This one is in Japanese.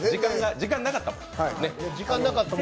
時間なかったもん。